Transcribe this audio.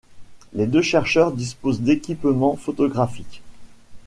Les deux chercheurs disposent d'équipement photographique.